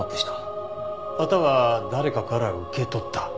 または誰かから受け取った。